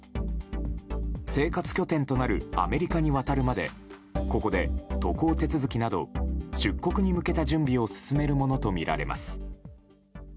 生活拠点となるアメリカに渡るまでここで渡航手続きなど出国に向けた準備を進めるものとみられます。